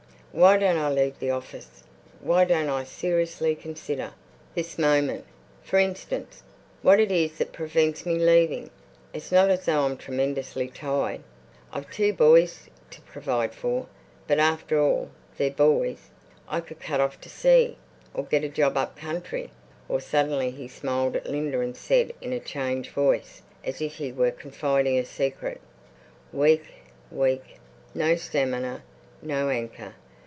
Why don't I leave the office? Why don't I seriously consider, this moment, for instance, what it is that prevents me leaving? It's not as though I'm tremendously tied. I've two boys to provide for, but, after all, they're boys. I could cut off to sea, or get a job up country, or—" Suddenly he smiled at Linda and said in a changed voice, as if he were confiding a secret, "Weak... weak. No stamina. No anchor.